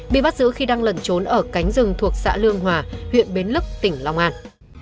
bị bắt giữ khi đang lẩn trốn ở cánh rừng thuộc xã lương hòa huyện bến lức tỉnh long an